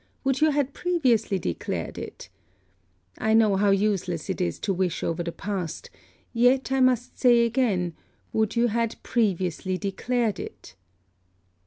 Would you had previously declared it! I know how useless it is to wish over the past: yet I must again say would you had previously declared it!